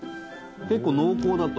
結構濃厚だと。